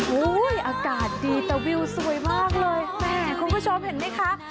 อากาศดีแต่วิวสวยมากเลยแม่คุณผู้ชมเห็นไหมคะ